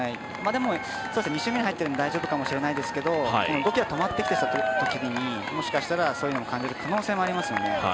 でも２周目に入っているので大丈夫かもしれないですけど動きが止まってきたときにもしかしたらそういうのを感じる可能性もありますよね。